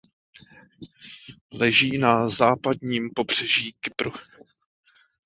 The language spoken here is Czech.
Leží na západním pobřeží Kypru.